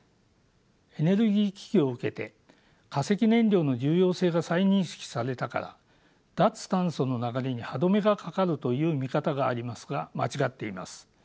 エネルギー危機を受けて化石燃料の重要性が再認識されたから脱炭素の流れに歯止めがかかるという見方がありますが間違っています。